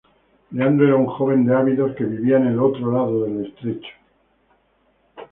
Leandro era un joven de Abidos que vivía en el otro lado del estrecho.